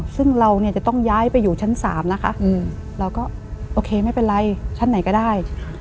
ซึ่งเราเนี่ยจะต้องย้ายไปอยู่ชั้น๓นะคะเราก็โอเคไม่เป็นไรชั้นไหนก็ได้